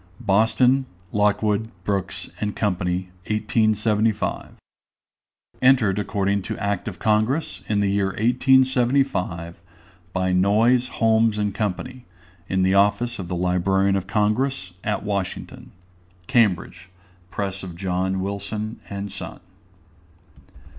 BOSTON: LOCKWOOD, BROOKS, & COMPANY. 1875. Entered according to Act of Congress, in the year 1875, by NOYES, HOLMES, AND COMPANY, In the Office of the Librarian of Congress, at Washington. Cambridge: _Press of John Wilson and Son.